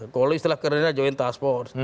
kalau istilah kerja join transport